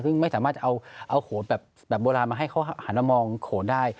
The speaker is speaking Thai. ซึ่งไม่สามารถจะเอาโขนแบบโบราณมาให้เขาหันมามองโขนได้